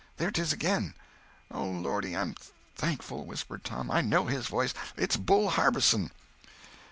There 'tis again!" "Oh, lordy, I'm thankful!" whispered Tom. "I know his voice. It's Bull Harbison."